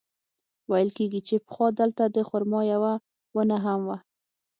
ویل کېږي چې پخوا دلته د خرما یوه ونه هم وه.